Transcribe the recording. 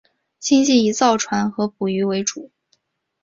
经济以造船和捕鱼为主。